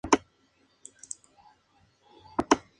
El originario de la India es el que produce mejor madera y aceites.